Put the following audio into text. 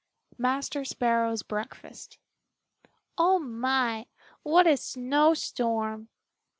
MASTER SPARROW'S BREAKFAST "Oh, my! what a snowstorm!"